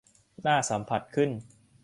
น่าสัมผัสขึ้น